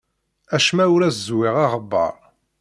Acemma ur as-zewwiɣ aɣebbar.